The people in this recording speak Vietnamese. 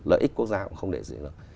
lợi ích quốc gia cũng không để gì được